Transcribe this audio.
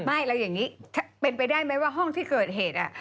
ไม่แล้วอย่างนี้เป็นไปได้ไหมว่าห้องที่เกิดเหตุ